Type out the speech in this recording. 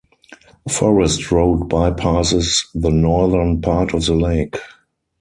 A forest road bypasses the northern part of the lake.